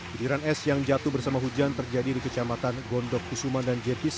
gediran es yang jatuh bersama hujan terjadi di kecamatan gondok kusuman dan jepis